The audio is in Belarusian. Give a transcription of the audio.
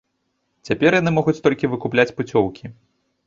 Цяпер яны могуць толькі выкупляць пуцёўкі.